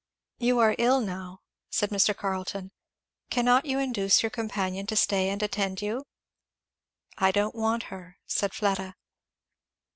"You are ill now," said Mr. Carleton. "Cannot you induce your companion to stay and attend you?" "I don't want her," said Fleda.